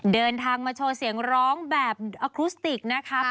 เดินทางมาโชว์เสียงร้องแบบอคุสติกนะครับ